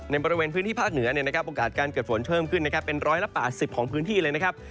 ในบริเวณพื้นที่ภาคเหนือโอกาสการเกิดฝนเชิมขึ้นเป็นร้อยละปากสิบของพื้นที่เลยนะครับ